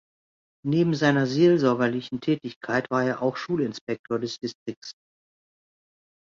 Neben seiner seelsorgerlichen Tätigkeit war er auch Schulinspektor des Distrikts.